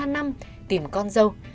một mươi ba năm tìm con dâu